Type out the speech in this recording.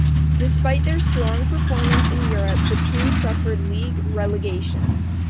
Despite their strong performance in Europe, the team suffered league relegation.